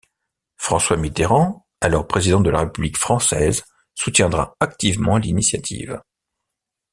François Mitterrand, alors Président de la République française soutiendra activement l'initiative.